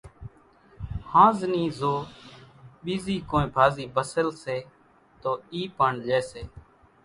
ۿانز نِي زو ٻيزي ڪونئين ڀازي ڀسل سي تو اِي پڻ لئي سي